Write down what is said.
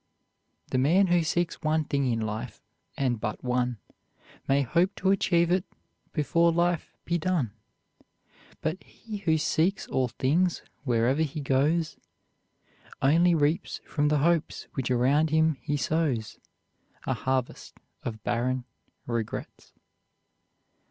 The man who seeks one thing in life, and but one, May hope to achieve it before life be done; But he who seeks all things, wherever he goes, Only reaps from the hopes which around him he sows, A harvest of barren regrets.